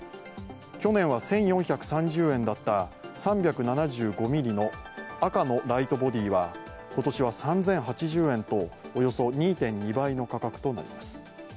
去年は１４３０円だった３７５ｍｍの赤のライトボディは今年は３０８０円とおよそ２．２倍の価格となります。